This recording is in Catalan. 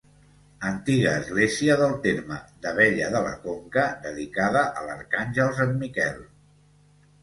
Antiga església del terme d'Abella de la Conca dedicada a l'arcàngel sant Miquel.